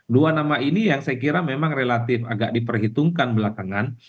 dua nama ini yang saya kira memang relatif agak diperhitungkan belakangan